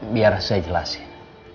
biar saya jelasin